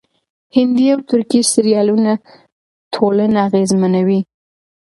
هندي او ترکي سريالونه ټولنه اغېزمنوي.